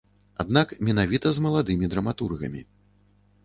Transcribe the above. Аднак менавіта з маладымі драматургамі.